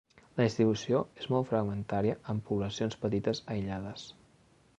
La distribució és molt fragmentària, amb poblacions petites aïllades.